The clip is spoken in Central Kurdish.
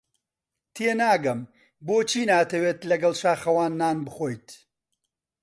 تێناگەم بۆچی ناتەوێت لەگەڵ شاخەوان نان بخۆیت.